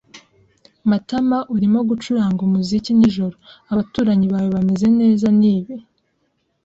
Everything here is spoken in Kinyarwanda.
Matamaurimo gucuranga umuziki nijoro. Abaturanyi bawe bameze neza nibi?